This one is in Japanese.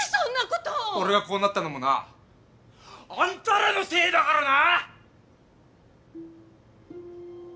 俺がこうなったのもなあんたらのせいだからな！